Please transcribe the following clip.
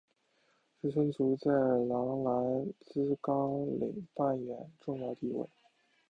志村簇在郎兰兹纲领扮演重要地位。